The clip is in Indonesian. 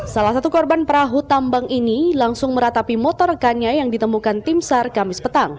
salah satu korban perahu tambang ini langsung meratapi motor rekannya yang ditemukan timsar kamis petang